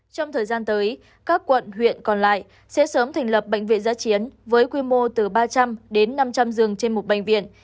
trong thời gian tới các quận huyện còn lại sẽ sớm thành lập bệnh viện giã chiến với quy mô từ ba trăm linh đến năm trăm linh giường trên một bệnh viện